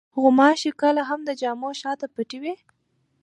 غوماشې کله هم د جامو شاته پټې وي.